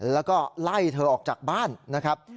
แล้วก็ไล่เธอออกจากบ้านนะครับ